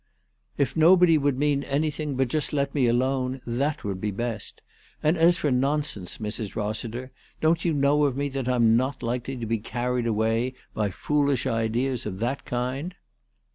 " If nobody would mean anything, but just let me alone, that would be best. And as for nonsense, Mrs. Rossiter, don't you know, of me that I'm not likely to be carried away by foolish ideas of that kind